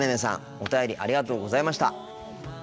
お便りありがとうございました。